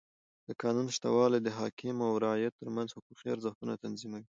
د قانون سته والى د حاکم او رعیت ترمنځ حقوقي ارزښتونه تنظیموي.